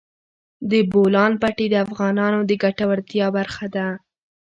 د بولان پټي د افغانانو د ګټورتیا برخه ده.